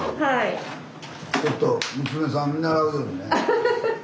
ちょっと娘さん見習うようにね。